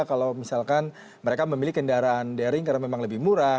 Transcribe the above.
kalau misalkan mereka memilih kendaraan daring karena memang lebih murah